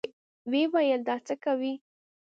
ويې ويل دا څه کوې.